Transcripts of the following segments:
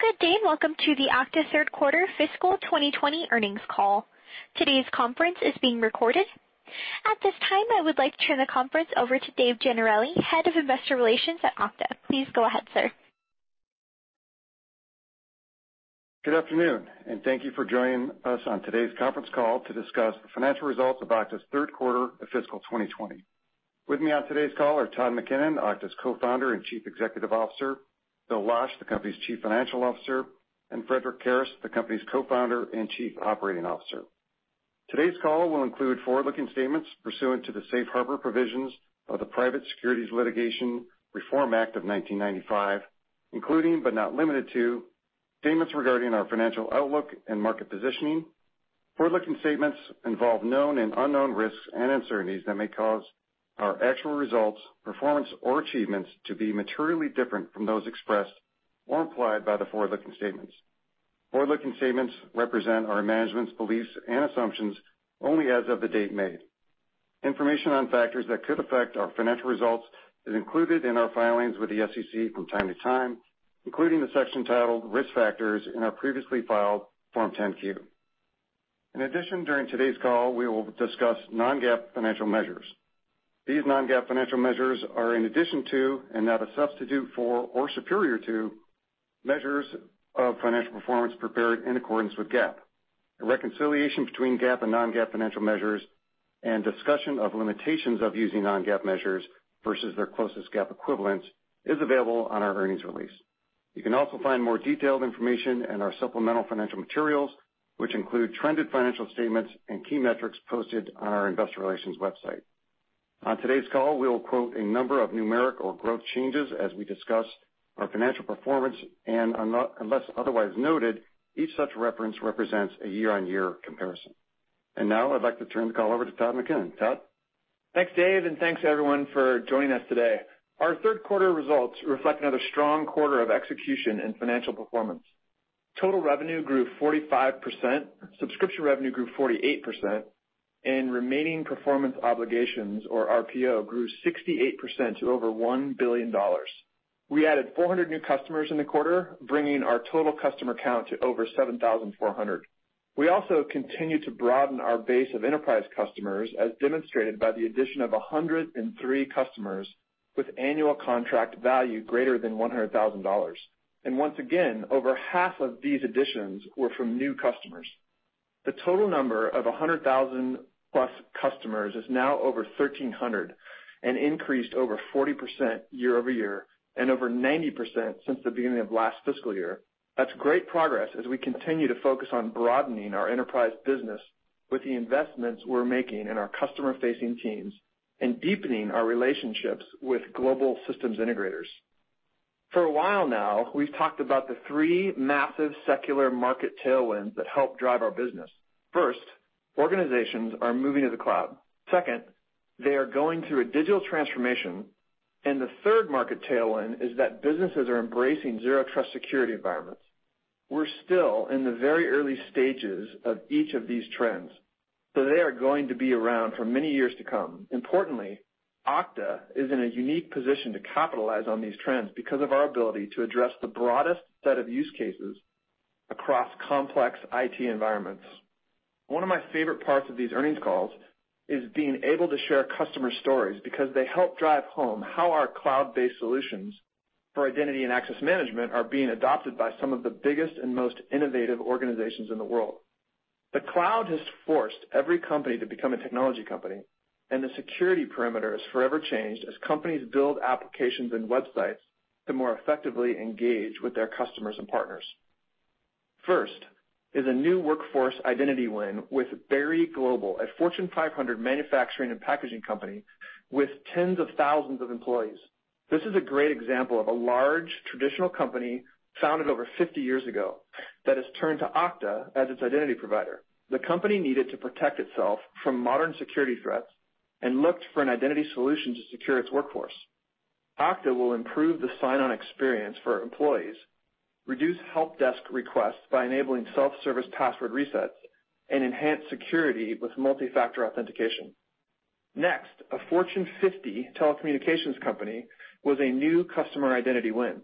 Good day, and welcome to the Okta third quarter fiscal 2020 earnings call. Today's conference is being recorded. At this time, I would like to turn the conference over to Dave Gennarelli, Head of Investor Relations at Okta. Please go ahead, sir. Good afternoon. Thank you for joining us on today's conference call to discuss the financial results of Okta's third quarter of fiscal 2020. With me on today's call are Todd McKinnon, Okta's Co-founder and Chief Executive Officer, Bill Losch, the company's Chief Financial Officer, and Frederic Kerrest, the company's Co-founder and Chief Operating Officer. Today's call will include forward-looking statements pursuant to the safe harbor provisions of the Private Securities Litigation Reform Act of 1995, including but not limited to statements regarding our financial outlook and market positioning. Forward-looking statements involve known and unknown risks and uncertainties that may cause our actual results, performance, or achievements to be materially different from those expressed or implied by the forward-looking statements. Forward-looking statements represent our management's beliefs and assumptions only as of the date made. Information on factors that could affect our financial results is included in our filings with the SEC from time to time, including the section titled Risk Factors in our previously filed Form 10-Q. During today's call, we will discuss non-GAAP financial measures. These non-GAAP financial measures are in addition to and not a substitute for or superior to measures of financial performance prepared in accordance with GAAP. A reconciliation between GAAP and non-GAAP financial measures and discussion of limitations of using non-GAAP measures versus their closest GAAP equivalents is available on our earnings release. You can also find more detailed information in our supplemental financial materials, which include trended financial statements and key metrics posted on our investor relations website. On today's call, we will quote a number of numeric or growth changes as we discuss our financial performance, and unless otherwise noted, each such reference represents a year-on-year comparison. Now I'd like to turn the call over to Todd McKinnon. Todd? Thanks, Dave, and thanks, everyone, for joining us today. Our third quarter results reflect another strong quarter of execution and financial performance. Total revenue grew 45%, subscription revenue grew 48%, and remaining performance obligations, or RPO, grew 68% to over $1 billion. We added 400 new customers in the quarter, bringing our total customer count to over 7,400. We also continue to broaden our base of enterprise customers, as demonstrated by the addition of 103 customers with annual contract value greater than $100,000. Once again, over half of these additions were from new customers. The total number of 100,000-plus customers is now over 1,300 and increased over 40% year-over-year and over 90% since the beginning of last fiscal year. That's great progress as we continue to focus on broadening our enterprise business with the investments we're making in our customer-facing teams and deepening our relationships with global systems integrators. For a while now, we've talked about the three massive secular market tailwinds that help drive our business. First, organizations are moving to the cloud. Second, they are going through a digital transformation. The third market tailwind is that businesses are embracing zero trust security environments. We're still in the very early stages of each of these trends, so they are going to be around for many years to come. Importantly, Okta is in a unique position to capitalize on these trends because of our ability to address the broadest set of use cases across complex IT environments. One of my favorite parts of these earnings calls is being able to share customer stories because they help drive home how our cloud-based solutions for identity and access management are being adopted by some of the biggest and most innovative organizations in the world. The cloud has forced every company to become a technology company, and the security perimeter is forever changed as companies build applications and websites to more effectively engage with their customers and partners. First is a new workforce identity win with Berry Global, a Fortune 500 manufacturing and packaging company with tens of thousands of employees. This is a great example of a large traditional company founded over 50 years ago that has turned to Okta as its identity provider. The company needed to protect itself from modern security threats and looked for an identity solution to secure its workforce. Okta will improve the sign-on experience for employees, reduce help desk requests by enabling self-service password resets, and enhance security with multi-factor authentication. A Fortune 50 telecommunications company was a new customer identity win.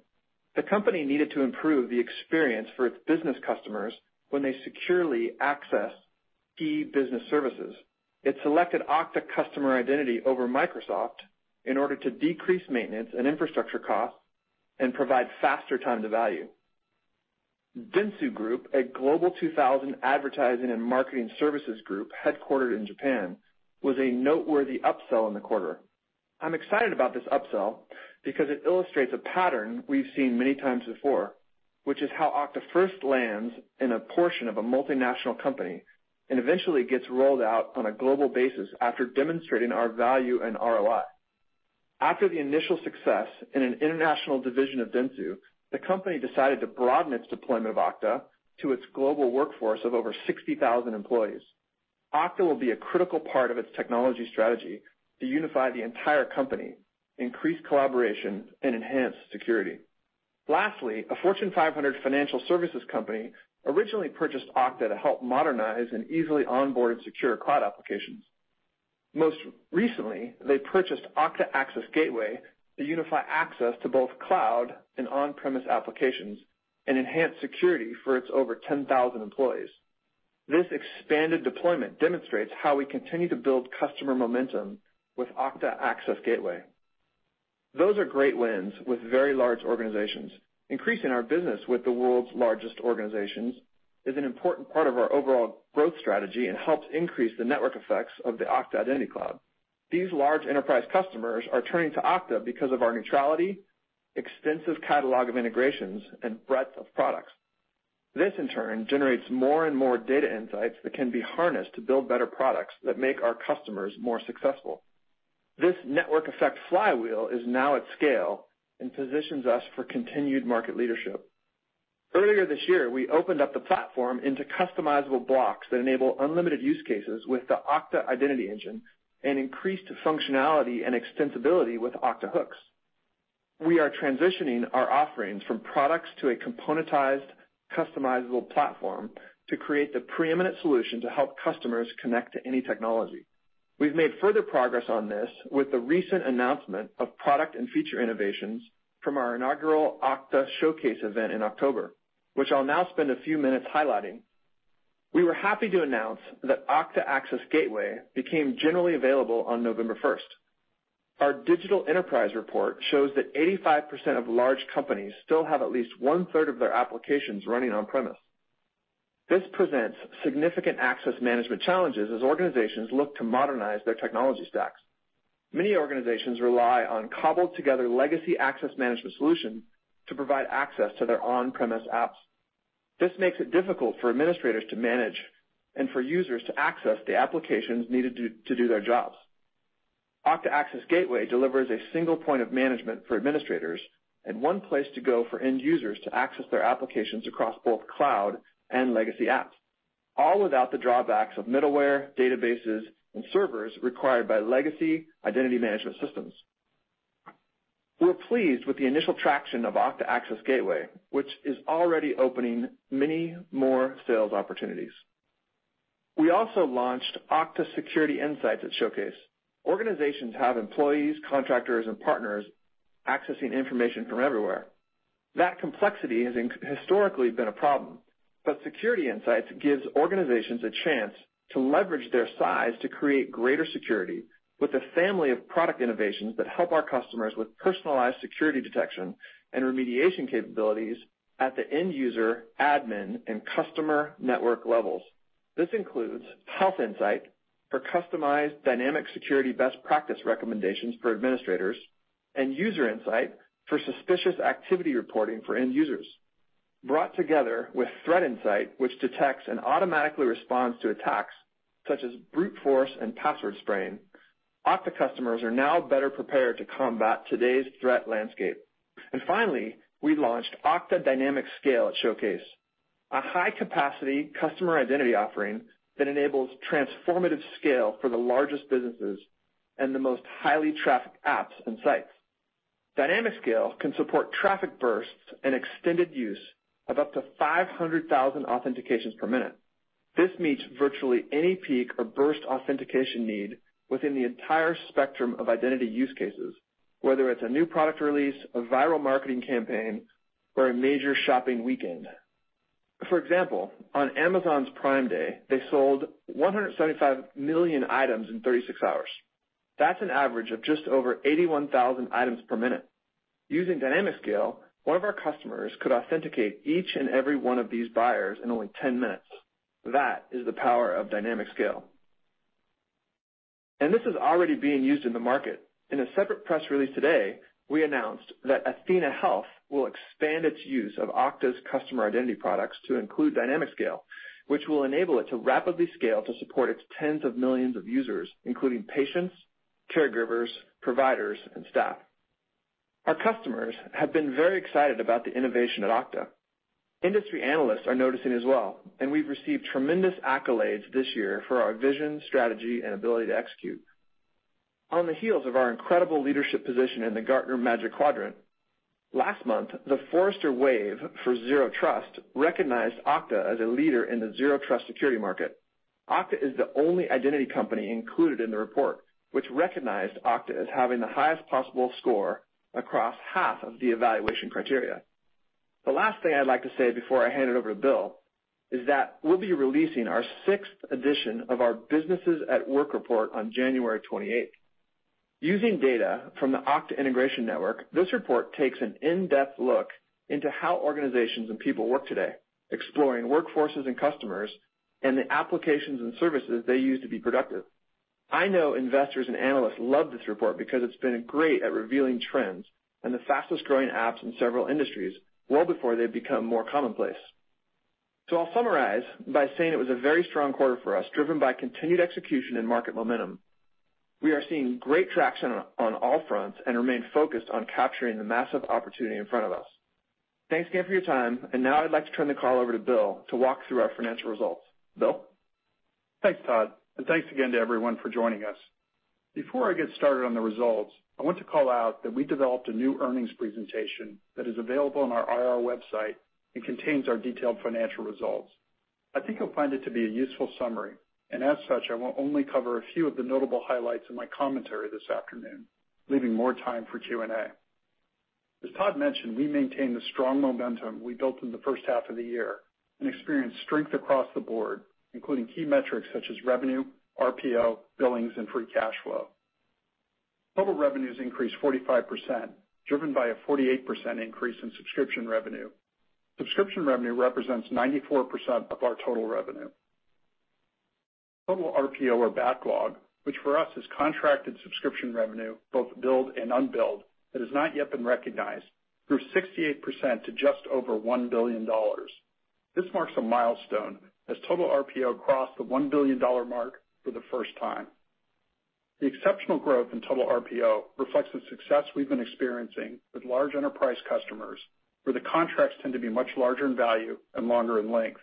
The company needed to improve the experience for its business customers when they securely access key business services. It selected Okta Customer Identity over Microsoft in order to decrease maintenance and infrastructure costs and provide faster time to value. Dentsu Group, a Global 2000 advertising and marketing services group headquartered in Japan, was a noteworthy upsell in the quarter. I'm excited about this upsell because it illustrates a pattern we've seen many times before, which is how Okta first lands in a portion of a multinational company and eventually gets rolled out on a global basis after demonstrating our value and ROI. After the initial success in an international division of Dentsu, the company decided to broaden its deployment of Okta to its global workforce of over 60,000 employees. Okta will be a critical part of its technology strategy to unify the entire company, increase collaboration, and enhance security. Lastly, a Fortune 500 financial services company originally purchased Okta to help modernize and easily onboard secure cloud applications. Most recently, they purchased Okta Access Gateway to unify access to both cloud and on-premise applications and enhance security for its over 10,000 employees. This expanded deployment demonstrates how we continue to build customer momentum with Okta Access Gateway. Those are great wins with very large organizations. Increasing our business with the world's largest organizations is an important part of our overall growth strategy and helps increase the network effects of the Okta Identity Cloud. These large enterprise customers are turning to Okta because of our neutrality, extensive catalog of integrations, and breadth of products. This, in turn, generates more and more data insights that can be harnessed to build better products that make our customers more successful. This network effect flywheel is now at scale and positions us for continued market leadership. Earlier this year, we opened up the platform into customizable blocks that enable unlimited use cases with the Okta Identity Engine and increased functionality and extensibility with Okta Hooks. We are transitioning our offerings from products to a componentized, customizable platform to create the preeminent solution to help customers connect to any technology. We've made further progress on this with the recent announcement of product and feature innovations from our inaugural Okta Showcase event in October, which I'll now spend a few minutes highlighting. We were happy to announce that Okta Access Gateway became generally available on November first. Our digital enterprise report shows that 85% of large companies still have at least one-third of their applications running on-premise. This presents significant access management challenges as organizations look to modernize their technology stacks. Many organizations rely on cobbled-together legacy access management solutions to provide access to their on-premise apps. This makes it difficult for administrators to manage and for users to access the applications needed to do their jobs. Okta Access Gateway delivers a single point of management for administrators and one place to go for end users to access their applications across both cloud and legacy apps, all without the drawbacks of middleware, databases, and servers required by legacy identity management systems. We're pleased with the initial traction of Okta Access Gateway, which is already opening many more sales opportunities. We also launched Okta Security Insights at Showcase. Organizations have employees, contractors, and partners accessing information from everywhere. That complexity has historically been a problem. Security Insights gives organizations a chance to leverage their size to create greater security with a family of product innovations that help our customers with personalized security detection and remediation capabilities at the end-user, admin, and customer network levels. This includes HealthInsight for customized dynamic security best practice recommendations for administrators and UserInsight for suspicious activity reporting for end-users. Brought together with ThreatInsight, which detects and automatically responds to attacks such as brute force and password spraying, Okta customers are now better prepared to combat today's threat landscape. Finally, we launched Okta DynamicScale at Showcase, a high-capacity customer identity offering that enables transformative scale for the largest businesses and the most highly trafficked apps and sites. DynamicScale can support traffic bursts and extended use of up to 500,000 authentications per minute. This meets virtually any peak or burst authentication need within the entire spectrum of identity use cases, whether it's a new product release, a viral marketing campaign, or a major shopping weekend. For example, on Amazon's Prime Day, they sold 175 million items in 36 hours. That's an average of just over 81,000 items per minute. Using DynamicScale, one of our customers could authenticate each and every one of these buyers in only 10 minutes. That is the power of DynamicScale. This is already being used in the market. In a separate press release today, we announced that athenahealth will expand its use of Okta's customer identity products to include DynamicScale, which will enable it to rapidly scale to support its tens of millions of users, including patients, caregivers, providers, and staff. Our customers have been very excited about the innovation at Okta. We've received tremendous accolades this year for our vision, strategy, and ability to execute. On the heels of our incredible leadership position in the Gartner Magic Quadrant, last month, the Forrester Wave for Zero Trust recognized Okta as a leader in the zero trust security market. Okta is the only identity company included in the report, which recognized Okta as having the highest possible score across half of the evaluation criteria. The last thing I'd like to say before I hand it over to Bill is that we'll be releasing our sixth edition of our Businesses at Work report on January 28th. Using data from the Okta Integration Network, this report takes an in-depth look into how organizations and people work today, exploring workforces and customers and the applications and services they use to be productive. I know investors and analysts love this report because it's been great at revealing trends and the fastest-growing apps in several industries well before they become more commonplace. I'll summarize by saying it was a very strong quarter for us, driven by continued execution and market momentum. We are seeing great traction on all fronts and remain focused on capturing the massive opportunity in front of us. Thanks again for your time, and now I'd like to turn the call over to Bill to walk through our financial results. Bill? Thanks, Todd, and thanks again to everyone for joining us. Before I get started on the results, I want to call out that we developed a new earnings presentation that is available on our IR website and contains our detailed financial results. I think you'll find it to be a useful summary. As such, I will only cover a few of the notable highlights in my commentary this afternoon, leaving more time for Q&A. As Todd mentioned, we maintained the strong momentum we built in the first half of the year and experienced strength across the board, including key metrics such as revenue, RPO, billings, and free cash flow. Total revenues increased 45%, driven by a 48% increase in subscription revenue. Subscription revenue represents 94% of our total revenue. Total RPO or backlog, which for us is contracted subscription revenue, both billed and unbilled, that has not yet been recognized, grew 68% to just over $1 billion. This marks a milestone as total RPO crossed the $1 billion mark for the first time. The exceptional growth in total RPO reflects the success we've been experiencing with large enterprise customers, where the contracts tend to be much larger in value and longer in length.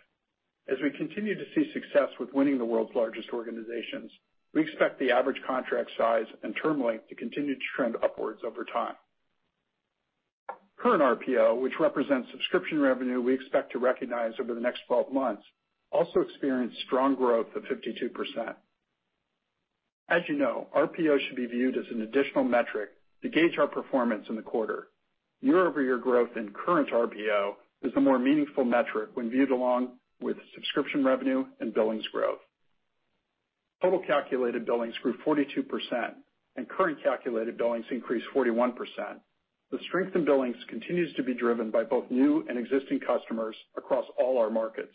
As we continue to see success with winning the world's largest organizations, we expect the average contract size and term length to continue to trend upwards over time. Current RPO, which represents subscription revenue we expect to recognize over the next 12 months, also experienced strong growth of 52%. As you know, RPO should be viewed as an additional metric to gauge our performance in the quarter. Year-over-year growth in current RPO is the more meaningful metric when viewed along with subscription revenue and billings growth. Total calculated billings grew 42%, and current calculated billings increased 41%. The strength in billings continues to be driven by both new and existing customers across all our markets.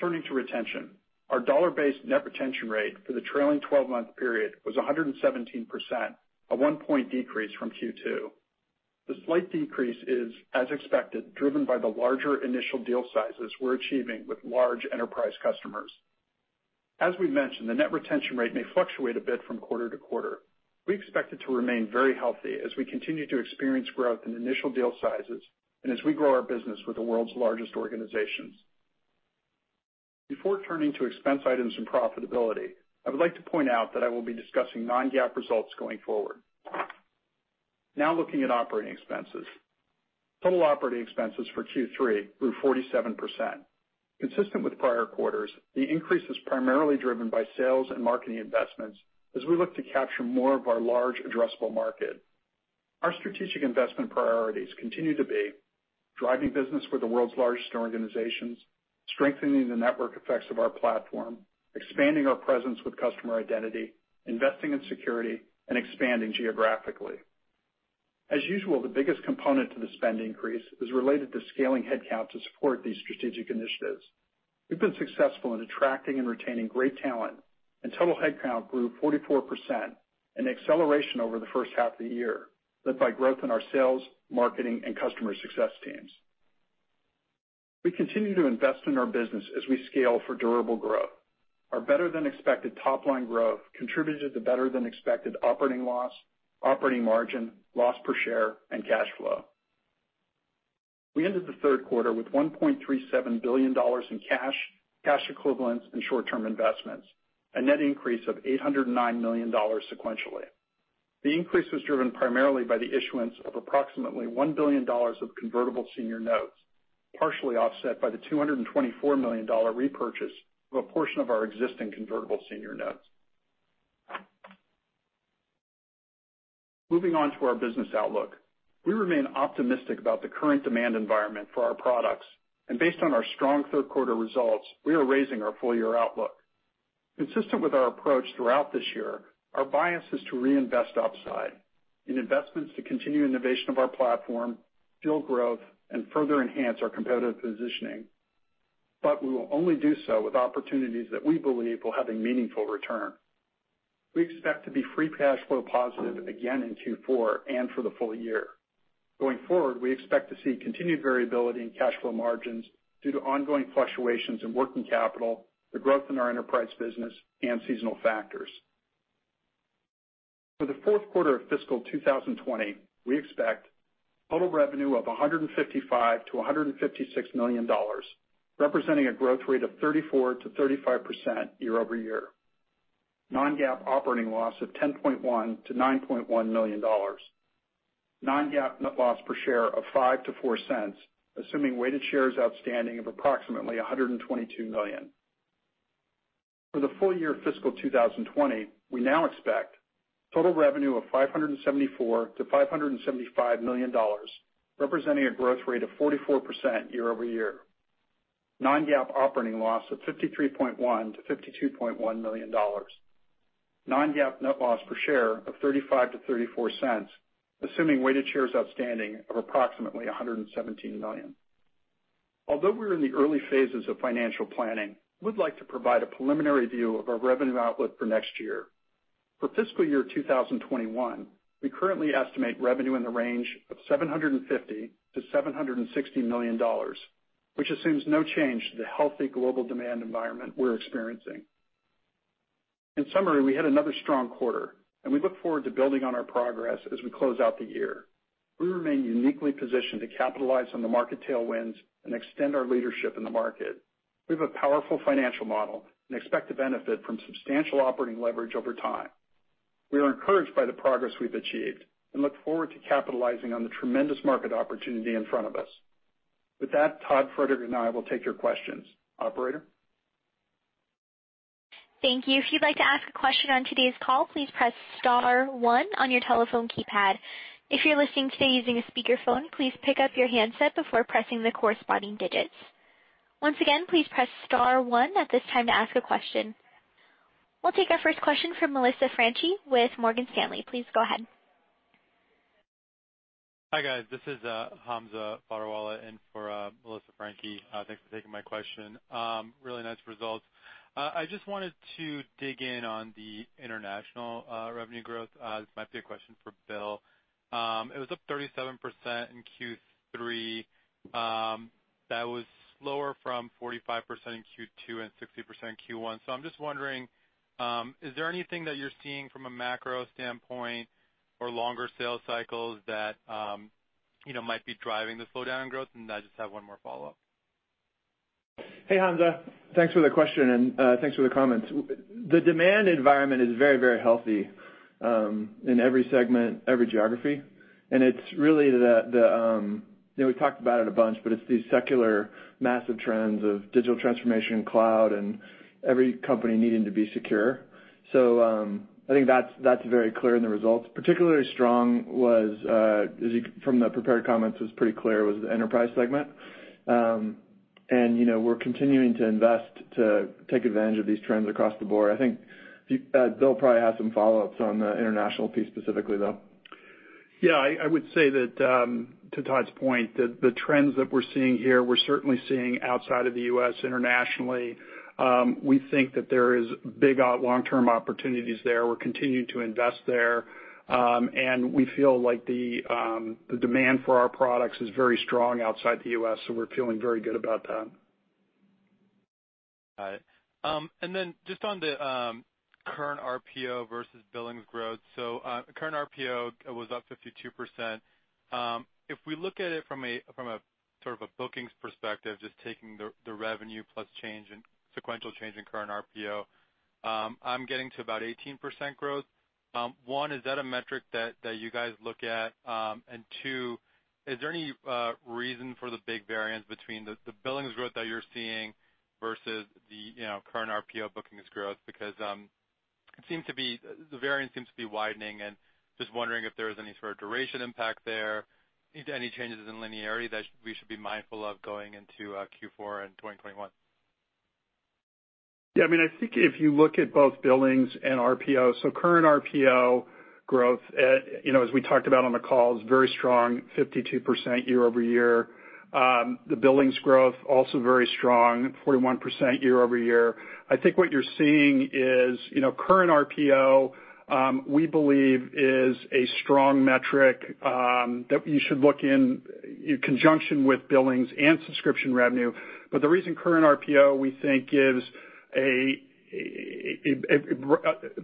Turning to retention, our dollar-based net retention rate for the trailing 12-month period was 117%, a one point decrease from Q2. The slight decrease is, as expected, driven by the larger initial deal sizes we're achieving with large enterprise customers. As we mentioned, the net retention rate may fluctuate a bit from quarter to quarter. We expect it to remain very healthy as we continue to experience growth in initial deal sizes and as we grow our business with the world's largest organizations. Before turning to expense items and profitability, I would like to point out that I will be discussing non-GAAP results going forward. Now looking at operating expenses. Total operating expenses for Q3 grew 47%. Consistent with prior quarters, the increase is primarily driven by sales and marketing investments as we look to capture more of our large addressable market. Our strategic investment priorities continue to be driving business with the world's largest organizations, strengthening the network effects of our platform, expanding our presence with customer identity, investing in security, and expanding geographically. As usual, the biggest component to the spend increase is related to scaling headcount to support these strategic initiatives. We've been successful in attracting and retaining great talent, and total headcount grew 44%, an acceleration over the first half of the year, led by growth in our sales, marketing, and customer success teams. We continue to invest in our business as we scale for durable growth. Our better-than-expected top-line growth contributed to better-than-expected operating loss, operating margin, loss per share, and cash flow. We ended the third quarter with $1.37 billion in cash equivalents, and short-term investments, a net increase of $809 million sequentially. The increase was driven primarily by the issuance of approximately $1 billion of convertible senior notes, partially offset by the $224 million repurchase of a portion of our existing convertible senior notes. Moving on to our business outlook. We remain optimistic about the current demand environment for our products. Based on our strong third quarter results, we are raising our full-year outlook. Consistent with our approach throughout this year, our bias is to reinvest upside in investments to continue innovation of our platform, fuel growth, and further enhance our competitive positioning. We will only do so with opportunities that we believe will have a meaningful return. We expect to be free cash flow positive again in Q4 and for the full year. Going forward, we expect to see continued variability in cash flow margins due to ongoing fluctuations in working capital, the growth in our enterprise business, and seasonal factors. For the fourth quarter of fiscal 2020, we expect total revenue of $155 million-$156 million, representing a growth rate of 34%-35% year-over-year. Non-GAAP operating loss of $10.1 million-$9.1 million. Non-GAAP net loss per share of $0.05 to $0.04, assuming weighted shares outstanding of approximately 122 million. For the full year of fiscal 2020, we now expect total revenue of $574 million-$575 million, representing a growth rate of 44% year-over-year. Non-GAAP operating loss of $53.1 million-$52.1 million. Non-GAAP net loss per share of $0.35 to $0.34, assuming weighted shares outstanding of approximately 117 million. Although we're in the early phases of financial planning, we'd like to provide a preliminary view of our revenue outlook for next year. For fiscal year 2021, we currently estimate revenue in the range of $750 million-$760 million, which assumes no change to the healthy global demand environment we're experiencing. In summary, we had another strong quarter. We look forward to building on our progress as we close out the year. We remain uniquely positioned to capitalize on the market tailwinds and extend our leadership in the market. We have a powerful financial model and expect to benefit from substantial operating leverage over time. We are encouraged by the progress we've achieved and look forward to capitalizing on the tremendous market opportunity in front of us. With that, Todd, Frederic, and I will take your questions. Operator? Thank you. If you'd like to ask a question on today's call, please press star one on your telephone keypad. If you're listening today using a speakerphone, please pick up your handset before pressing the corresponding digits. Once again, please press star one at this time to ask a question. We'll take our first question from Melissa Franchi with Morgan Stanley. Please go ahead. Hi, guys. This is Hamza Fodderwala in for Melissa Franchi. Thanks for taking my question. Really nice results. I just wanted to dig in on the international revenue growth. This might be a question for Bill. It was up 37% in Q3. That was slower from 45% in Q2 and 60% in Q1. I'm just wondering, is there anything that you're seeing from a macro standpoint or longer sales cycles that might be driving the slowdown in growth? I just have one more follow-up. Hey, Hamza. Thanks for the question, and thanks for the comments. The demand environment is very healthy in every segment, every geography, and it's really We've talked about it a bunch, but it's these secular massive trends of digital transformation, cloud, and every company needing to be secure. I think that's very clear in the results. Particularly strong was, from the prepared comments was pretty clear, was the enterprise segment. We're continuing to invest to take advantage of these trends across the board. I think Bill probably has some follow-ups on the international piece specifically, though. Yeah. I would say that, to Todd's point, the trends that we're seeing here, we're certainly seeing outside of the U.S. internationally. We think that there is big long-term opportunities there. We're continuing to invest there. We feel like the demand for our products is very strong outside the U.S., we're feeling very good about that. Got it. Just on the current RPO versus billings growth. Current RPO was up 52%. If we look at it from a sort of a bookings perspective, just taking the revenue plus change and sequential change in current RPO, I'm getting to about 18% growth. One, is that a metric that you guys look at? Two, is there any reason for the big variance between the billings growth that you're seeing versus the current RPO bookings growth? The variance seems to be widening, and just wondering if there was any sort of duration impact there, any changes in linearity that we should be mindful of going into Q4 and 2021. Yeah. I think if you look at both billings and RPO, current RPO growth, as we talked about on the call, is very strong, 52% year-over-year. The billings growth, also very strong, 41% year-over-year. I think what you're seeing is current RPO, we believe is a strong metric that you should look in conjunction with billings and subscription revenue. The reason current RPO, we think, gives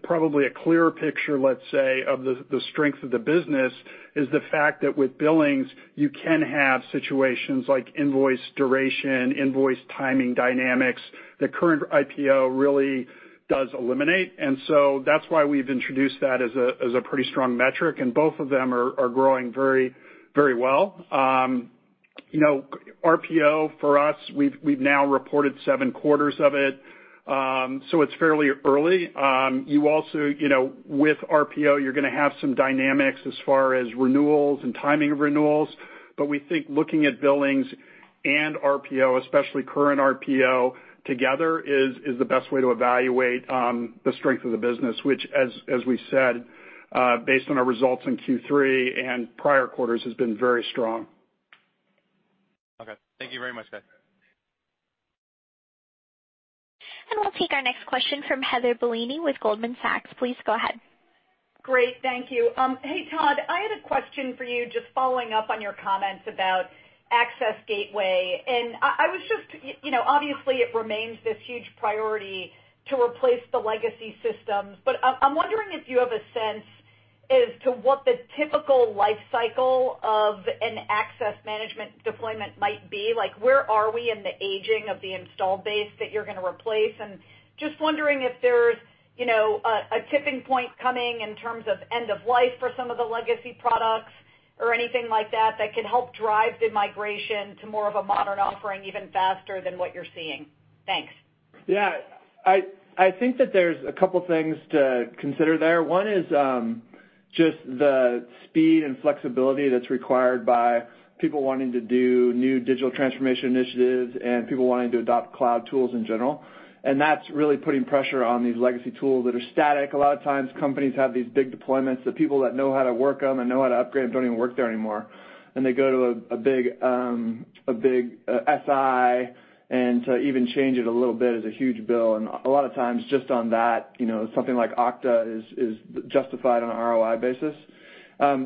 probably a clearer picture, let's say, of the strength of the business is the fact that with billings, you can have situations like invoice duration, invoice timing dynamics, that current RPO really does eliminate. That's why we've introduced that as a pretty strong metric, and both of them are growing very well. RPO for us, we've now reported seven quarters of it, so it's fairly early. You also, with RPO, you're going to have some dynamics as far as renewals and timing of renewals. We think looking at billings and RPO, especially current RPO together is the best way to evaluate the strength of the business, which as we said, based on our results in Q3 and prior quarters, has been very strong. Okay. Thank you very much, guys. We'll take our next question from Heather Bellini with Goldman Sachs. Please go ahead. Great. Thank you. Hey, Todd, I had a question for you, just following up on your comments about Access Gateway. Obviously it remains this huge priority to replace the legacy systems, but I'm wondering if you have a sense as to what the typical life cycle of an access management deployment might be like. Where are we in the aging of the install base that you're going to replace? Just wondering if there's a tipping point coming in terms of end of life for some of the legacy products or anything like that can help drive the migration to more of a modern offering even faster than what you're seeing. Thanks. Yeah. I think that there's a couple things to consider there. One is just the speed and flexibility that's required by people wanting to do new digital transformation initiatives and people wanting to adopt cloud tools in general. That's really putting pressure on these legacy tools that are static. A lot of times companies have these big deployments, the people that know how to work them and know how to upgrade them don't even work there anymore. They go to a big SI, and to even change it a little bit is a huge bill. A lot of times just on that, something like Okta is justified on an ROI basis.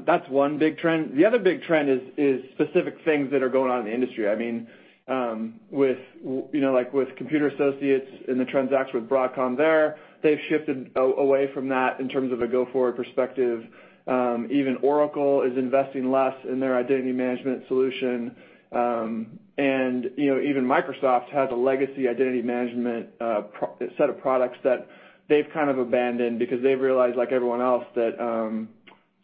That's one big trend. The other big trend is specific things that are going on in the industry. With Computer Associates and the transaction with Broadcom there, they've shifted away from that in terms of a go-forward perspective. Even Oracle is investing less in their identity management solution. Even Microsoft has a legacy identity management set of products that they've kind of abandoned because they've realized, like everyone else, that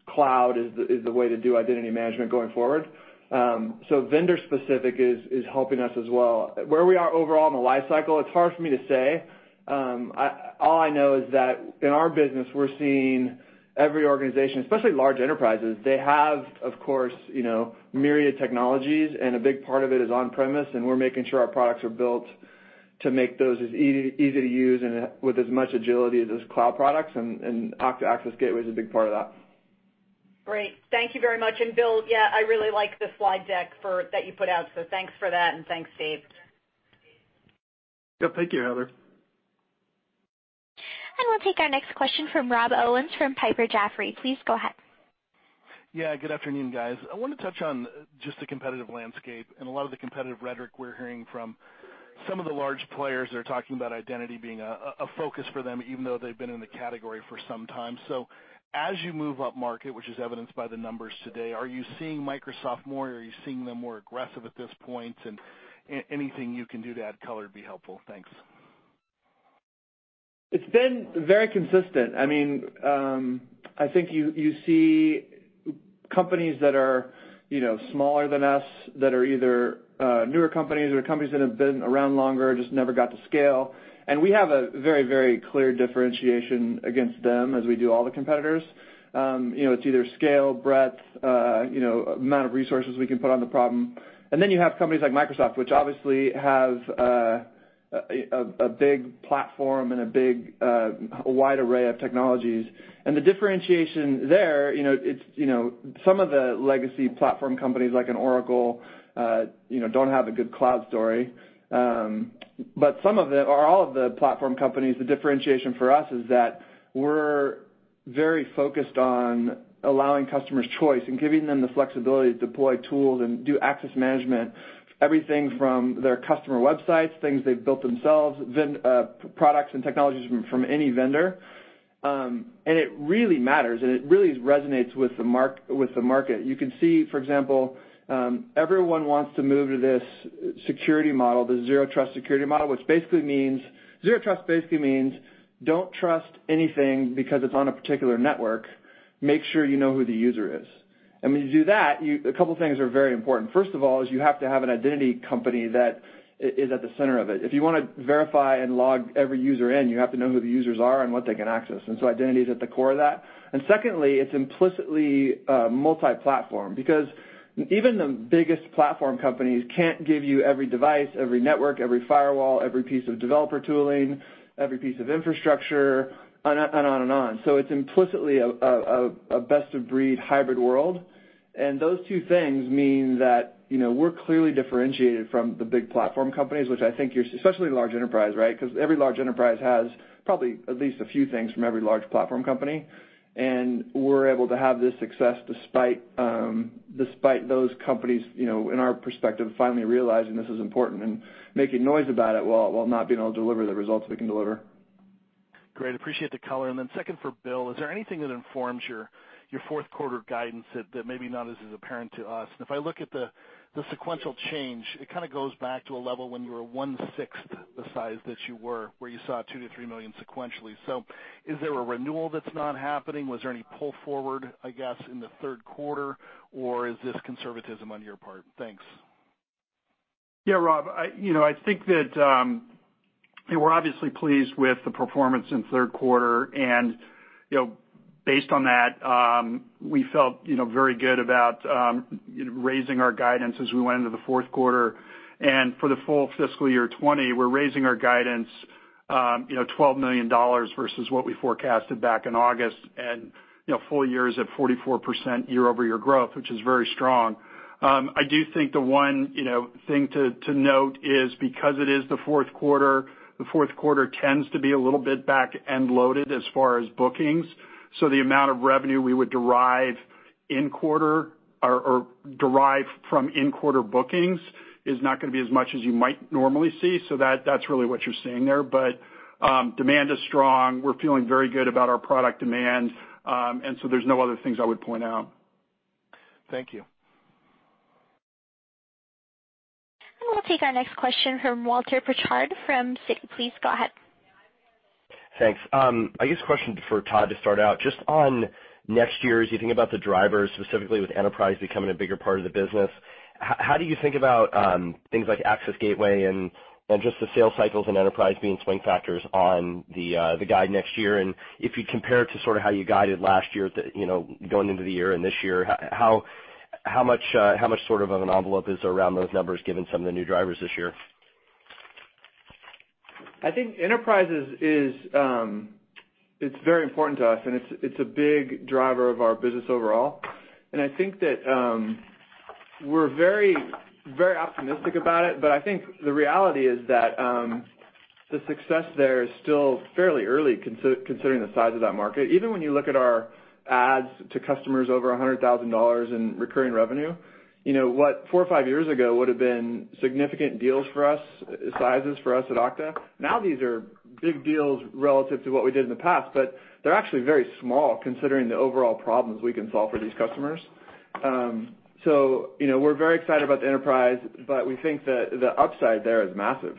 cloud is the way to do identity management going forward. Vendor specific is helping us as well. Where we are overall in the life cycle, it's hard for me to say. All I know is that in our business, we're seeing every organization, especially large enterprises, they have, of course, myriad technologies, and a big part of it is on-premise, and we're making sure our products are built to make those as easy to use and with as much agility as cloud products, and Okta Access Gateway is a big part of that. Great. Thank you very much. Bill, yeah, I really like the slide deck that you put out, so thanks for that, and thanks, Dave. Yeah, thank you, Heather. We'll take our next question from Rob Owens from Piper Jaffray. Please go ahead. Yeah, good afternoon, guys. I want to touch on just the competitive landscape and a lot of the competitive rhetoric we're hearing from some of the large players that are talking about identity being a focus for them, even though they've been in the category for some time. As you move upmarket, which is evidenced by the numbers today, are you seeing Microsoft more? Are you seeing them more aggressive at this point? Anything you can do to add color would be helpful. Thanks. It's been very consistent. I think you see companies that are smaller than us, that are either newer companies or companies that have been around longer, just never got to scale. We have a very clear differentiation against them as we do all the competitors. It's either scale, breadth, amount of resources we can put on the problem. You have companies like Microsoft, which obviously have a big platform and a wide array of technologies. The differentiation there, some of the legacy platform companies like an Oracle don't have a good cloud story. Some of the, or all of the platform companies, the differentiation for us is that we're very focused on allowing customers choice and giving them the flexibility to deploy tools and do access management, everything from their customer websites, things they've built themselves, products and technologies from any vendor. It really matters, it really resonates with the market. You can see, for example, everyone wants to move to this security model, the zero trust security model. Zero trust basically means don't trust anything because it's on a particular network. Make sure you know who the user is. When you do that, a couple of things are very important. First of all is you have to have an identity company that is at the center of it. If you want to verify and log every user in, you have to know who the users are and what they can access, identity is at the core of that. Secondly, it's implicitly multi-platform because even the biggest platform companies can't give you every device, every network, every firewall, every piece of developer tooling, every piece of infrastructure, and on and on. It's implicitly a best-of-breed hybrid world. Those two things mean that we're clearly differentiated from the big platform companies, which I think especially large enterprise, right? Because every large enterprise has probably at least a few things from every large platform company, and we're able to have this success despite those companies, in our perspective, finally realizing this is important and making noise about it while not being able to deliver the results we can deliver. Great. Appreciate the color. Second for Bill, is there anything that informs your fourth quarter guidance that maybe not as is apparent to us? If I look at the sequential change, it kind of goes back to a level when you were one-sixth the size that you were, where you saw $2 million-$3 million sequentially. Is there a renewal that's not happening? Was there any pull forward, I guess, in the third quarter, or is this conservatism on your part? Thanks. Yeah, Rob, I think that we're obviously pleased with the performance in the third quarter. Based on that, we felt very good about raising our guidance as we went into the fourth quarter. For the full fiscal year 2020, we're raising our guidance $12 million versus what we forecasted back in August, and full year is at 44% year-over-year growth, which is very strong. I do think the one thing to note is because it is the fourth quarter, the fourth quarter tends to be a little bit back-end loaded as far as bookings. The amount of revenue we would derive in quarter or derive from in-quarter bookings is not going to be as much as you might normally see. That's really what you're seeing there. Demand is strong. We're feeling very good about our product demand, and so there's no other things I would point out. Thank you. We'll take our next question from Walter Pritchard from Citi. Please go ahead. Thanks. I guess a question for Todd to start out. Just on next year, as you think about the drivers, specifically with enterprise becoming a bigger part of the business, how do you think about things like Access Gateway and just the sales cycles and enterprise being swing factors on the guide next year? If you compare it to sort of how you guided last year going into the year and this year, how much of an envelope is around those numbers given some of the new drivers this year? I think enterprise is very important to us, and it's a big driver of our business overall. We're very optimistic about it, but I think the reality is that the success there is still fairly early considering the size of that market. Even when you look at our adds to customers over $100,000 in recurring revenue. What four or five years ago would've been significant deals for us, sizes for us at Okta, now these are big deals relative to what we did in the past, but they're actually very small considering the overall problems we can solve for these customers. We're very excited about the enterprise, but we think that the upside there is massive.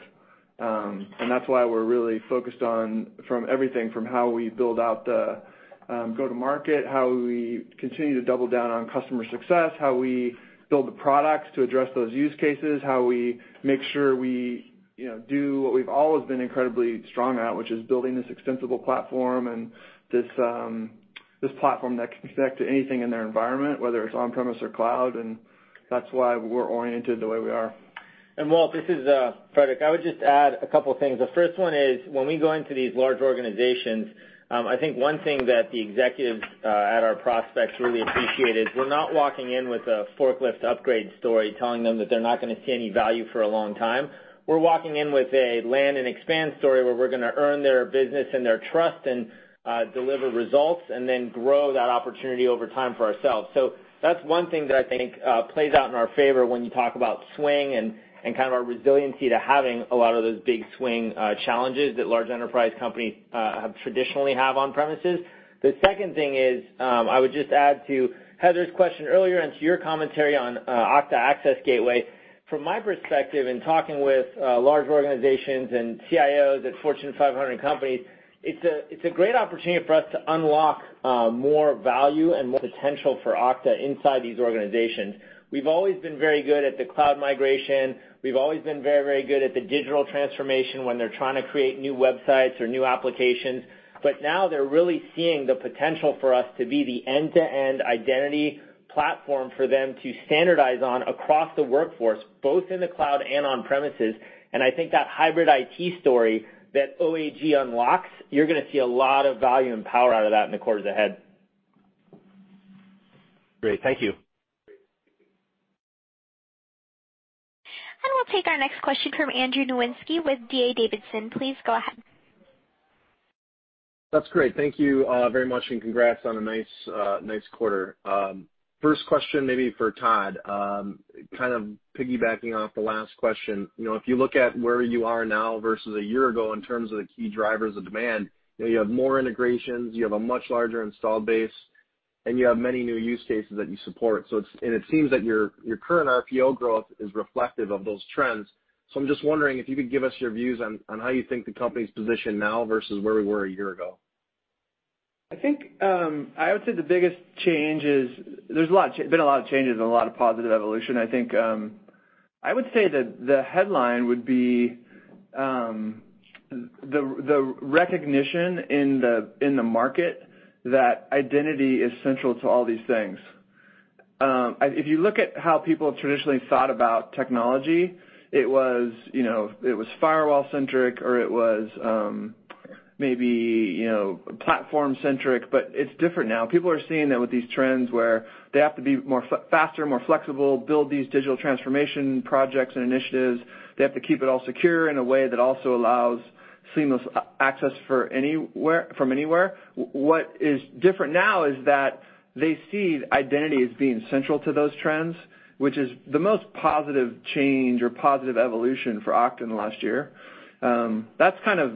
That's why we're really focused on, from everything, from how we build out the go-to-market, how we continue to double down on customer success, how we build the products to address those use cases, how we make sure we do what we've always been incredibly strong at, which is building this extensible platform and this platform that can connect to anything in their environment, whether it's on-premises or cloud. That's why we're oriented the way we are. Walter, this is Frederic. I would just add a couple things. The first one is, when we go into these large organizations, I think one thing that the executives at our prospects really appreciate is we're not walking in with a forklift upgrade story telling them that they're not going to see any value for a long time. We're walking in with a land and expand story where we're going to earn their business and their trust and deliver results and then grow that opportunity over time for ourselves. That's one thing that I think plays out in our favor when you talk about swing and kind of our resiliency to having a lot of those big swing challenges that large enterprise companies traditionally have on-premises. The second thing is, I would just add to Heather's question earlier and to your commentary on Okta Access Gateway. From my perspective in talking with large organizations and CIOs at Fortune 500 companies, it's a great opportunity for us to unlock more value and more potential for Okta inside these organizations. We've always been very good at the cloud migration. We've always been very good at the digital transformation when they're trying to create new websites or new applications. Now they're really seeing the potential for us to be the end-to-end identity platform for them to standardize on across the workforce, both in the cloud and on-premises. I think that hybrid IT story that OAG unlocks, you're going to see a lot of value and power out of that in the quarters ahead. Great. Thank you. We'll take our next question from Andrew Nowinski with D.A. Davidson. Please go ahead. That's great. Thank you very much. Congrats on a nice quarter. First question maybe for Todd. Kind of piggybacking off the last question. If you look at where you are now versus a year ago in terms of the key drivers of demand, you have more integrations, you have a much larger install base, and you have many new use cases that you support. It seems that your current RPO growth is reflective of those trends. I'm just wondering if you could give us your views on how you think the company's positioned now versus where we were a year ago. I would say the biggest change. There's been a lot of changes and a lot of positive evolution. I would say that the headline would be the recognition in the market that identity is central to all these things. If you look at how people have traditionally thought about technology, it was firewall centric or it was maybe platform centric. It's different now. People are seeing that with these trends where they have to be faster, more flexible, build these digital transformation projects and initiatives. They have to keep it all secure in a way that also allows seamless access from anywhere. What is different now is that they see identity as being central to those trends, which is the most positive change or positive evolution for Okta in the last year. That's kind of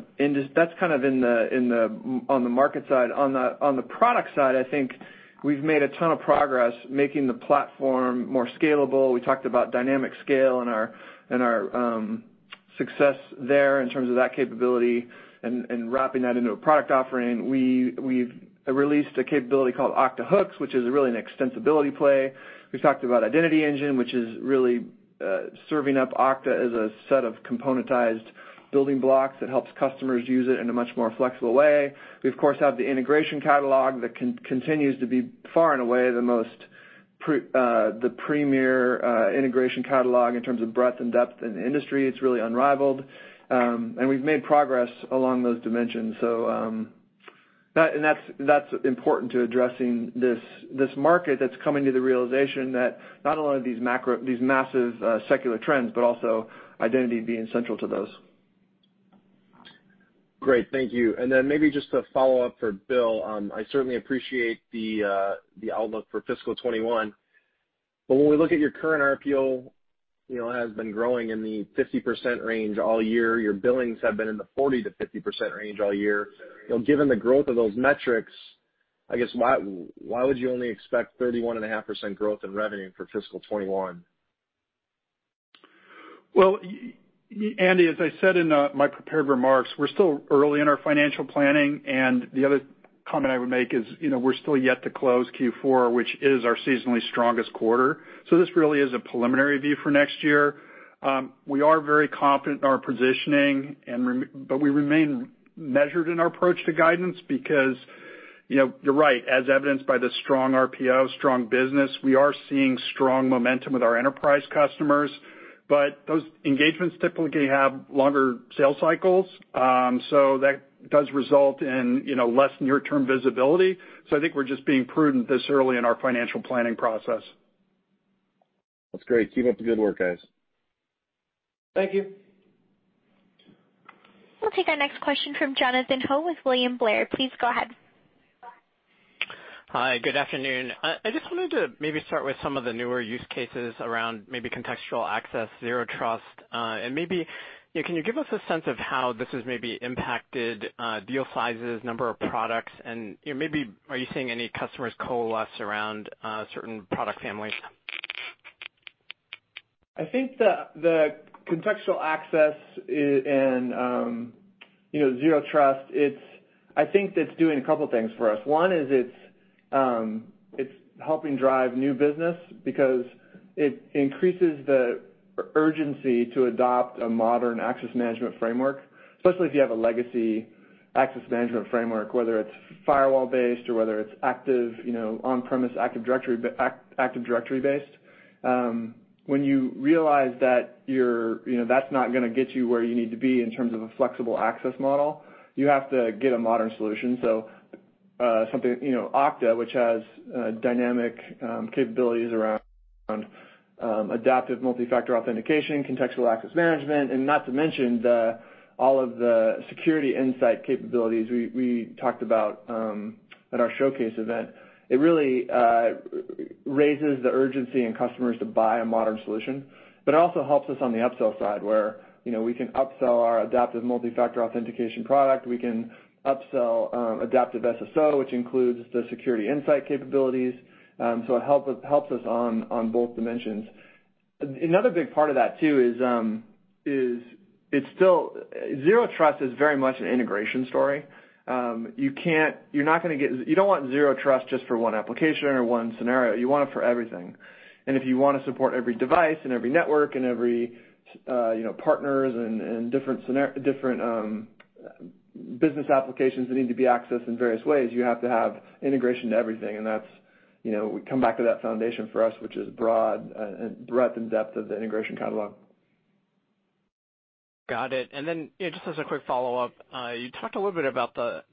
on the market side. On the product side, I think we've made a ton of progress making the platform more scalable. We talked about DynamicScale and our success there in terms of that capability and wrapping that into a product offering. We've released a capability called Okta Hooks, which is really an extensibility play. We've talked about Identity Engine, which is really serving up Okta as a set of componentized building blocks that helps customers use it in a much more flexible way. We of course have the integration catalog that continues to be far and away the premier integration catalog in terms of breadth and depth in the industry. It's really unrivaled. We've made progress along those dimensions. That's important to addressing this market that's coming to the realization that not only these massive secular trends, but also identity being central to those. Great. Thank you. Maybe just a follow-up for Bill. I certainly appreciate the outlook for fiscal 2021. When we look at your current RPO, it has been growing in the 50% range all year. Your billings have been in the 40%-50% range all year. Given the growth of those metrics, I guess why would you only expect 31.5% growth in revenue for fiscal 2021? Well, Andy, as I said in my prepared remarks, we're still early in our financial planning. The other comment I would make is we're still yet to close Q4, which is our seasonally strongest quarter. This really is a preliminary view for next year. We are very confident in our positioning, but we remain measured in our approach to guidance because you're right, as evidenced by the strong RPO, strong business, we are seeing strong momentum with our enterprise customers. Those engagements typically have longer sales cycles, so that does result in less near-term visibility. I think we're just being prudent this early in our financial planning process. That's great. Keep up the good work, guys. Thank you. We'll take our next question from Jonathan Ho with William Blair. Please go ahead. Hi, good afternoon. I just wanted to maybe start with some of the newer use cases around maybe contextual access, zero trust. Maybe can you give us a sense of how this has maybe impacted deal sizes, number of products, and maybe are you seeing any customers coalesce around certain product families? I think the contextual access and zero trust, I think that's doing a couple things for us. One is it's helping drive new business because it increases the urgency to adopt a modern access management framework, especially if you have a legacy access management framework, whether it's firewall-based or whether it's on-premises Active Directory-based. When you realize that's not going to get you where you need to be in terms of a flexible access model, you have to get a modern solution. Something, Okta, which has dynamic capabilities around Adaptive Multi-Factor Authentication, contextual access management, and not to mention all of the security insight capabilities we talked about at our Okta Showcase event. It really raises the urgency in customers to buy a modern solution, but it also helps us on the upsell side, where we can upsell our Adaptive Multi-Factor Authentication product. We can upsell Adaptive SSO, which includes the security insight capabilities. It helps us on both dimensions. Another big part of that too is zero trust is very much an integration story. You don't want zero trust just for one application or one scenario. You want it for everything. If you want to support every device and every network and every partners and different business applications that need to be accessed in various ways, you have to have integration to everything. We come back to that foundation for us, which is broad breadth and depth of the integration catalog. Got it. Then just as a quick follow-up, you talked a little bit about the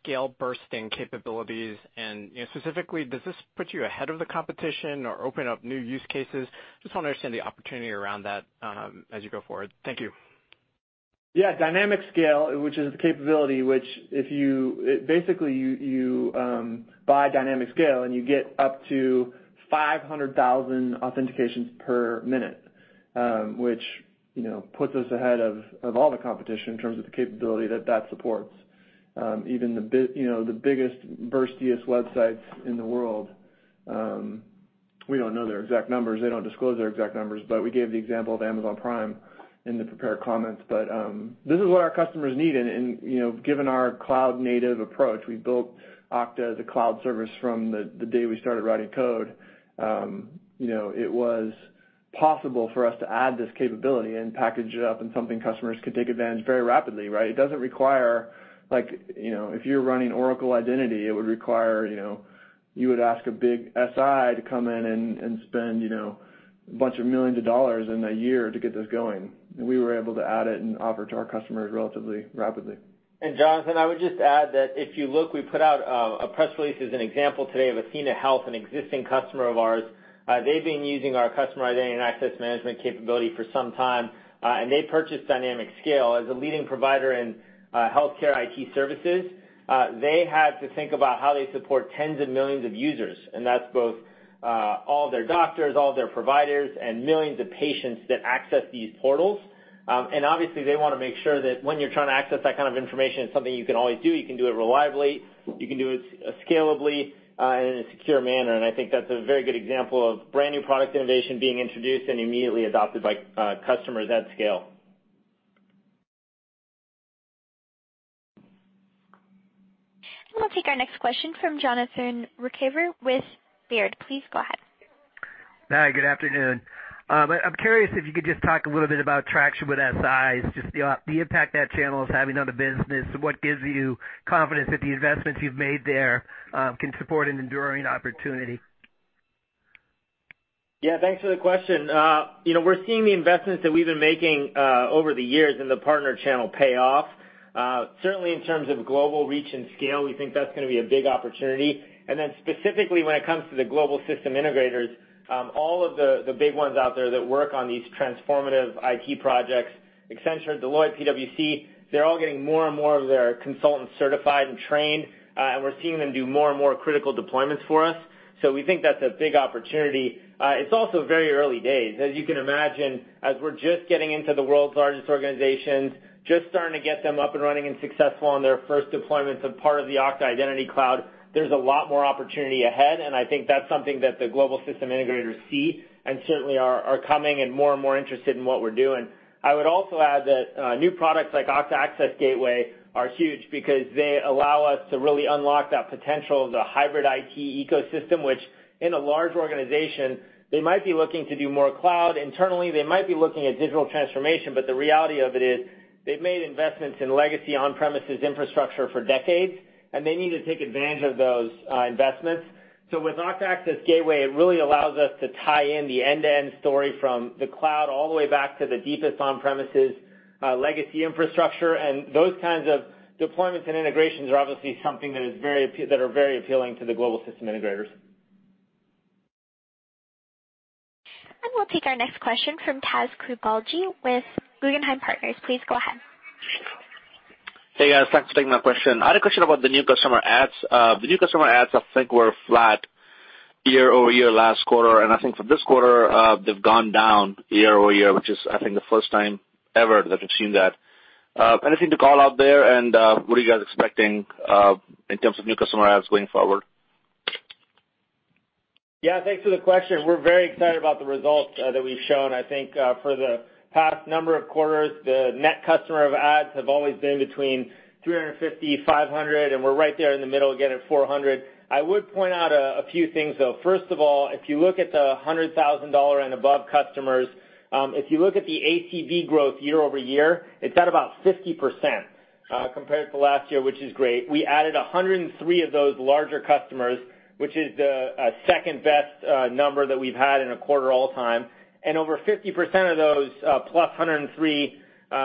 scale bursting capabilities, and specifically, does this put you ahead of the competition or open up new use cases? Just want to understand the opportunity around that as you go forward. Thank you. Yeah. DynamicScale, which is the capability, which basically you buy DynamicScale, and you get up to 500,000 authentications per minute, which puts us ahead of all the competition in terms of the capability that that supports. Even the biggest burstiest websites in the world, we don't know their exact numbers. They don't disclose their exact numbers, but we gave the example of Amazon Prime in the prepared comments. This is what our customers need, and given our cloud-native approach, we built Okta as a cloud service from the day we started writing code. It was possible for us to add this capability and package it up in something customers could take advantage very rapidly, right? It doesn't require like if you're running Oracle Identity, it would require you would ask a big SI to come in and spend a bunch of millions of dollars in a year to get this going. We were able to add it and offer it to our customers relatively rapidly. Jonathan, I would just add that if you look, we put out a press release as an example today of athenahealth, an existing customer of ours. They've been using our customer identity and access management capability for some time, and they purchased DynamicScale as a leading provider in healthcare IT services. They had to think about how they support tens of millions of users, and that's both all their doctors, all their providers, and millions of patients that access these portals. Obviously, they want to make sure that when you're trying to access that kind of information, it's something you can always do. You can do it reliably, you can do it scalably, and in a secure manner. I think that's a very good example of brand-new product innovation being introduced and immediately adopted by customers at scale. We'll take our next question from Jonathan Ruykhaver with Baird. Please go ahead. Hi, good afternoon. I'm curious if you could just talk a little bit about traction with SIs, just the impact that channel is having on the business. What gives you confidence that the investments you've made there can support an enduring opportunity? Yeah, thanks for the question. We're seeing the investments that we've been making over the years in the partner channel pay off. Certainly, in terms of global reach and scale, we think that's going to be a big opportunity. Specifically when it comes to the global system integrators, all of the big ones out there that work on these transformative IT projects, Accenture, Deloitte, PwC, they're all getting more and more of their consultants certified and trained, and we're seeing them do more and more critical deployments for us. We think that's a big opportunity. It's also very early days. As you can imagine, as we're just getting into the world's largest organizations, just starting to get them up and running and successful on their first deployments of part of the Okta Identity Cloud, there's a lot more opportunity ahead. I think that's something that the global system integrators see and certainly are coming and more and more interested in what we're doing. I would also add that new products like Okta Access Gateway are huge because they allow us to really unlock that potential of the hybrid IT ecosystem, which in a large organization, they might be looking to do more cloud internally. They might be looking at digital transformation. The reality of it is they've made investments in legacy on-premises infrastructure for decades, and they need to take advantage of those investments. With Okta Access Gateway, it really allows us to tie in the end-to-end story from the cloud all the way back to the deepest on-premises legacy infrastructure. Those kinds of deployments and integrations are obviously something that are very appealing to the global system integrators. We'll take our next question from Taz Koujalgi with Guggenheim Securities. Please go ahead. Hey, guys. Thanks for taking my question. I had a question about the new customer adds. The new customer adds, I think, were flat year-over-year last quarter. I think for this quarter, they've gone down year-over-year, which is, I think, the first time ever that we've seen that. Anything to call out there, and what are you guys expecting in terms of new customer adds going forward? Thanks for the question. We're very excited about the results that we've shown. I think for the past number of quarters, the net customer of adds have always been between 350, 500, and we're right there in the middle again at 400. I would point out a few things, though. First of all, if you look at the $100,000 and above customers, if you look at the ACV growth year-over-year, it's at about 50% compared to last year, which is great. We added 103 of those larger customers, which is the second-best number that we've had in a quarter all time. Over 50% of those plus 103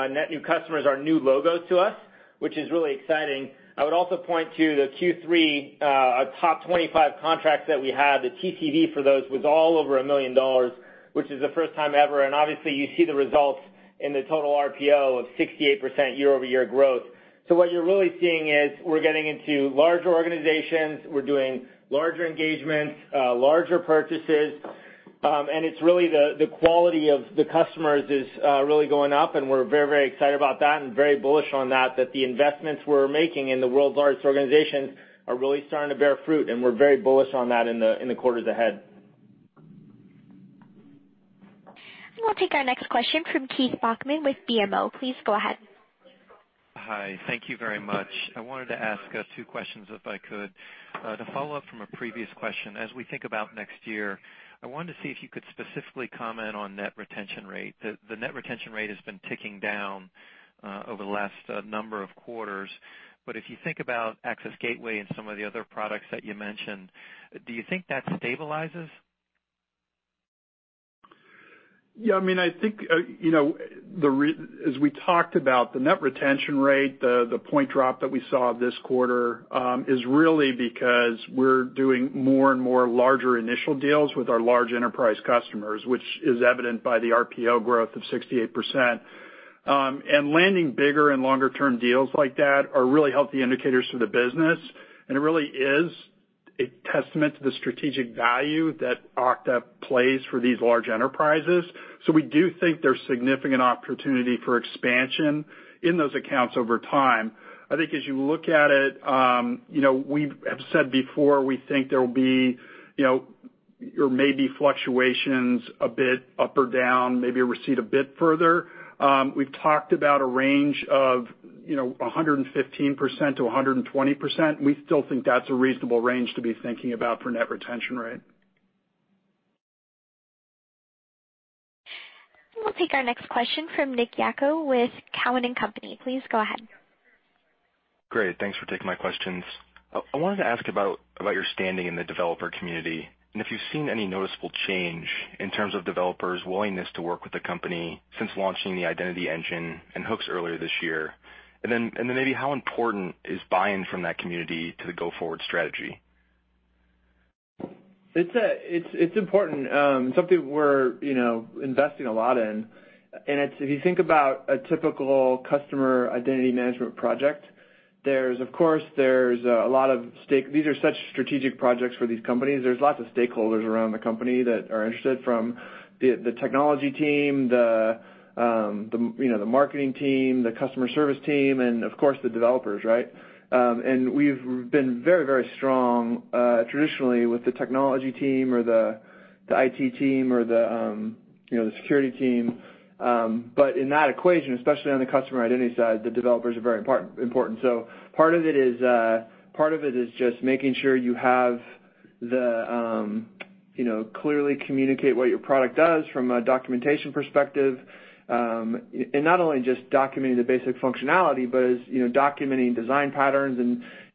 net new customers are new logos to us, which is really exciting. I would also point to the Q3 top 25 contracts that we had. The TCV for those was all over $1 million, which is the first time ever. Obviously, you see the results in the total RPO of 68% year-over-year growth. What you're really seeing is we're getting into larger organizations. We're doing larger engagements, larger purchases. The quality of the customers is really going up, and we're very excited about that and very bullish on that the investments we're making in the world's largest organizations are really starting to bear fruit. We're very bullish on that in the quarters ahead. We'll take our next question from Keith Bachman with BMO. Please go ahead. Hi. Thank you very much. I wanted to ask two questions if I could. To follow up from a previous question, as we think about next year, I wanted to see if you could specifically comment on net retention rate. The net retention rate has been ticking down over the last number of quarters. If you think about Access Gateway and some of the other products that you mentioned, do you think that stabilizes? Yeah, I think as we talked about the net retention rate, the point drop that we saw this quarter is really because we're doing more and more larger initial deals with our large enterprise customers, which is evident by the RPO growth of 68%. Landing bigger and longer-term deals like that are really healthy indicators for the business, and it really is a testament to the strategic value that Okta plays for these large enterprises. We do think there's significant opportunity for expansion in those accounts over time. I think as you look at it, we have said before we think there will be or may be fluctuations a bit up or down, maybe a recede a bit further. We've talked about a range of 115%-120%, and we still think that's a reasonable range to be thinking about for net retention rate. We'll take our next question from Nick Yako with Cowen and Company. Please go ahead. Great. Thanks for taking my questions. I wanted to ask about your standing in the developer community and if you've seen any noticeable change in terms of developers' willingness to work with the company since launching the Identity Engine and Hooks earlier this year. Then maybe how important is buying from that community to the go-forward strategy? It's important. Something we're investing a lot in. If you think about a typical customer identity management project, these are such strategic projects for these companies. There's lots of stakeholders around the company that are interested, from the technology team, the marketing team, the customer service team, and of course, the developers, right? We've been very strong traditionally with the technology team or the IT team or the security team. In that equation, especially on the customer identity side, the developers are very important. Part of it is just making sure you clearly communicate what your product does from a documentation perspective. Not only just documenting the basic functionality, but also documenting design patterns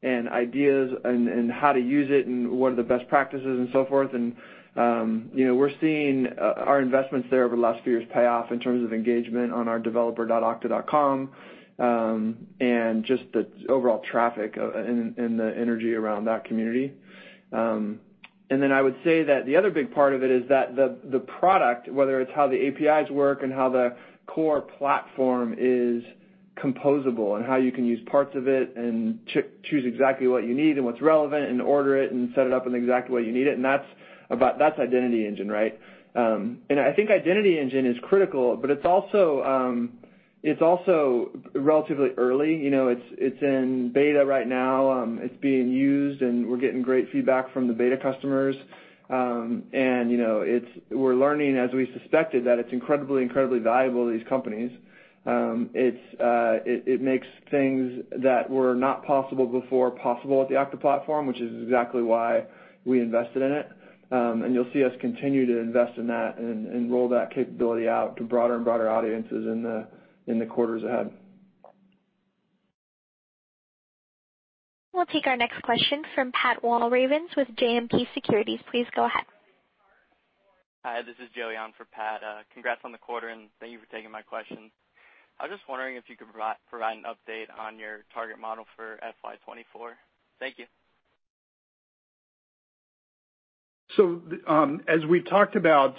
and ideas and how to use it and what are the best practices and so forth. We're seeing our investments there over the last few years pay off in terms of engagement on our developer.okta.com, and just the overall traffic and the energy around that community. Then I would say that the other big part of it is that the product, whether it's how the APIs work and how the core platform is composable, and how you can use parts of it and choose exactly what you need and what's relevant and order it and set it up in the exact way you need it. That's Identity Engine, right? I think Identity Engine is critical, but it's also relatively early. It's in beta right now. It's being used, and we're getting great feedback from the beta customers. We're learning, as we suspected, that it's incredibly valuable to these companies. It makes things that were not possible before possible with the Okta platform, which is exactly why we invested in it. You'll see us continue to invest in that and roll that capability out to broader and broader audiences in the quarters ahead. We'll take our next question from Pat Walravens with JMP Securities. Please go ahead. Hi, this is Joey on for Pat. Congrats on the quarter, and thank you for taking my question. I was just wondering if you could provide an update on your target model for FY 2024. Thank you. As we talked about,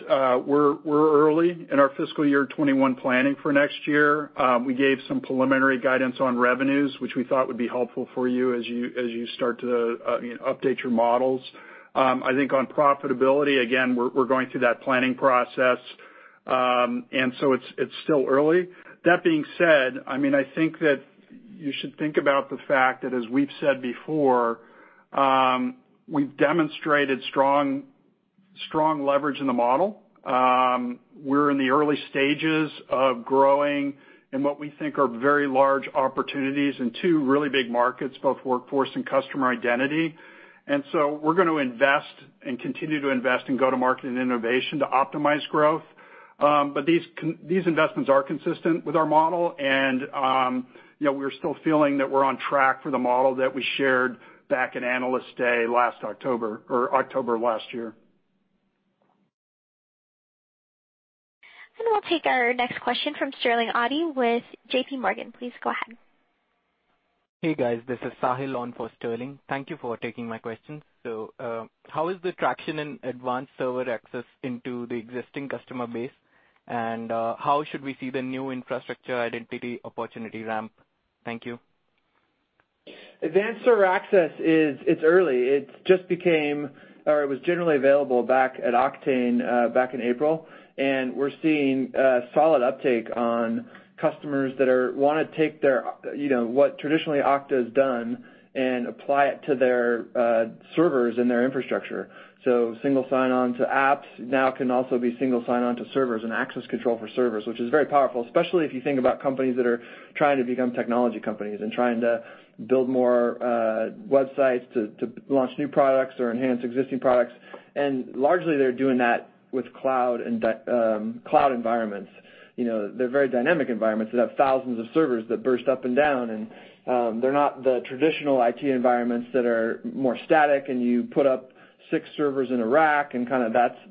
we're early in our fiscal year 2021 planning for next year. We gave some preliminary guidance on revenues, which we thought would be helpful for you as you start to update your models. I think on profitability, again, we're going through that planning process, and so it's still early. That being said, I think that you should think about the fact that, as we've said before, we've demonstrated strong leverage in the model. We're in the early stages of growing in what we think are very large opportunities in two really big markets, both workforce and customer identity. We're going to invest and continue to invest in go-to-market and innovation to optimize growth. These investments are consistent with our model, and we're still feeling that we're on track for the model that we shared back at Analyst Day last October or October last year. We'll take our next question from Sterling Auty with JP Morgan. Please go ahead. Hey, guys, this is Sahil on for Sterling. Thank you for taking my question. How is the traction in Advanced Server Access into the existing customer base, and how should we see the new infrastructure identity opportunity ramp? Thank you. Advanced Server Access is early. It just became or it was generally available back at Oktane back in April. We're seeing solid uptake on customers that want to take what traditionally Okta has done and apply it to their servers and their infrastructure. Single sign-on to apps now can also be single sign-on to servers and access control for servers, which is very powerful, especially if you think about companies that are trying to become technology companies and trying to build more websites to launch new products or enhance existing products. Largely they're doing that with cloud environments. They're very dynamic environments that have thousands of servers that burst up and down, and they're not the traditional IT environments that are more static, and you put up six servers in a rack, and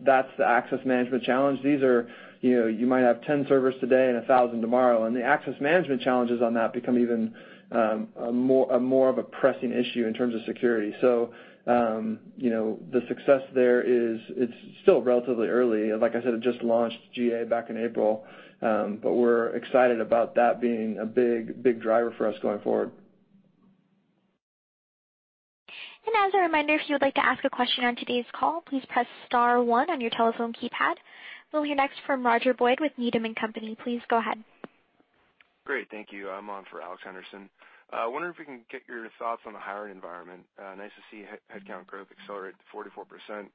that's the access management challenge. These are, you might have 10 servers today and 1,000 tomorrow. The access management challenges on that become even more of a pressing issue in terms of security. The success there is still relatively early. Like I said, it just launched GA back in April. We're excited about that being a big driver for us going forward. As a reminder, if you would like to ask a question on today's call, please press star 1 on your telephone keypad. We'll hear next from Roger Boyd with Needham and Company. Please go ahead. Great. Thank you. I'm on for Alex Henderson. I wonder if we can get your thoughts on the hiring environment. Nice to see headcount growth accelerate to 44%,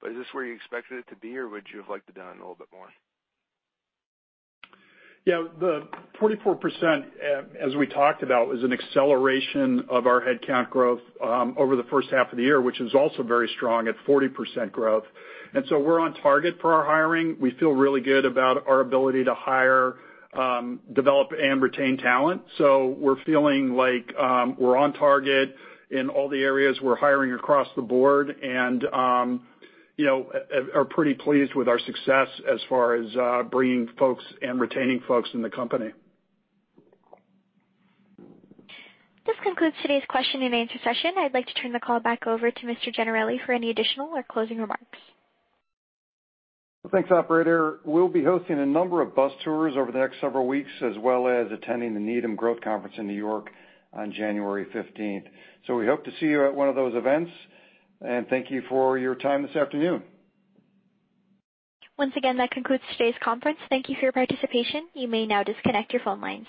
but is this where you expected it to be, or would you have liked to done a little bit more? Yeah, the 44%, as we talked about, was an acceleration of our headcount growth over the first half of the year, which was also very strong at 40% growth. We're on target for our hiring. We feel really good about our ability to hire, develop, and retain talent. We're feeling like we're on target in all the areas we're hiring across the board and are pretty pleased with our success as far as bringing folks and retaining folks in the company. This concludes today's question-and-answer session. I'd like to turn the call back over to Mr. Gennarelli for any additional or closing remarks. Thanks, operator. We'll be hosting a number of bus tours over the next several weeks, as well as attending the Needham Growth Conference in New York on January 15th. We hope to see you at one of those events, and thank you for your time this afternoon. Once again, that concludes today's conference. Thank you for your participation. You may now disconnect your phone lines.